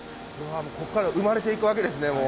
もうこっから生まれていくわけですね。